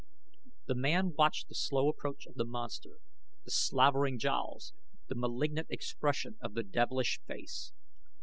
The man watched the slow approach of the monster, the slavering jowls, the malignant expression of the devilish face.